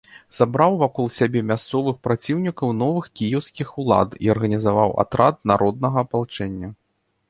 Сабраў вакол сябе мясцовых праціўнікаў новых кіеўскіх улад і арганізаваў атрад народнага апалчэння.